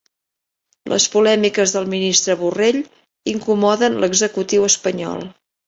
Les polèmiques del ministre Borrell incomoden l'executiu espanyol